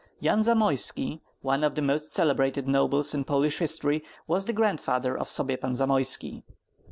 Yan Zamoyski, one of the most celebrated nobles in Polish history, was the grandfather of Sobiepan Zamoyski.